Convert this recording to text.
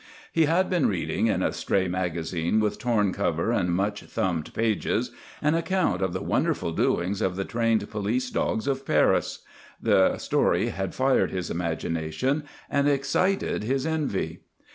He had been reading, in a stray magazine with torn cover and much thumbed pages, an account of the wonderful doings of the trained police dogs of Paris. The story had fired his imagination and excited his envy.